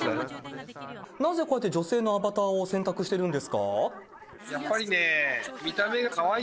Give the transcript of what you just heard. なぜこうやって女性のアバターを選択してるんですか？